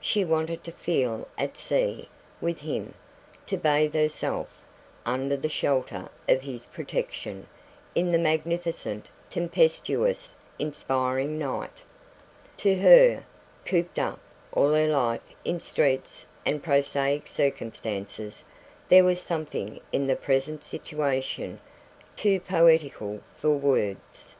She wanted to feel "at sea" with him, to bathe herself, under the shelter of his protection, in the magnificent, tempestuous, inspiring night. To her, cooped up all her life in streets and prosaic circumstances, there was something in the present situation too poetical for words.